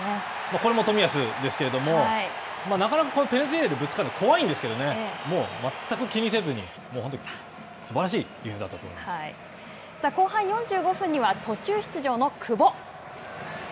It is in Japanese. これも冨安ですけれども、なかなかペナルティーエリアでぶつかるの怖いんですけれども、もう全く気にせずに、すばらしいディフさあ後半４５分には、途中出場の久保。